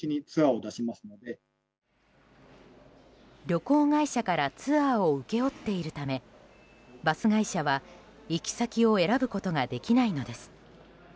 旅行会社からツアーを請け負っているためバス会社は、行き先を選ぶことができないのです。